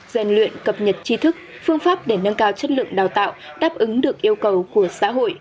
rèn luyện cập nhật chi thức phương pháp để nâng cao chất lượng đào tạo đáp ứng được yêu cầu của xã hội